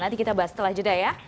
nanti kita bahas setelah jeda ya